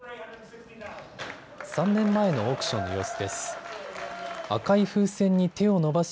３年前のオークションの様子です。